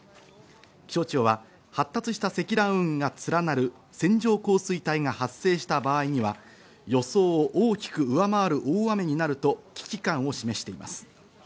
気象庁は発達した積乱雲が連なる線状降水帯が発生した場合には、予想を大きく上回る大雨になると危機感を示しています。